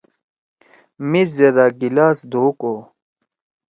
میز زیدا گلاس دھو کو۔